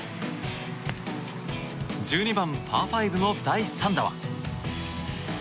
１２番、パー５の第３打は。